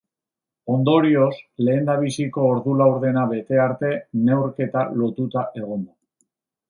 Ondorioz, lehendabiziko ordu laurdena bete arte, neurketa lotuta egon da.